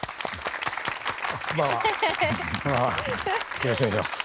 よろしくお願いします。